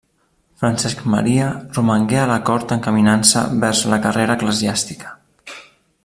Francesc Maria romangué a la cort encaminant-se vers la carrera eclesiàstica.